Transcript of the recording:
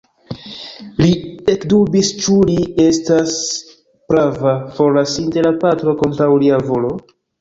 Li ekdubis, ĉu li estis prava, forlasinte la patron kontraŭ lia volo?